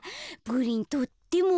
プリンとっても。